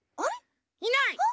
いない！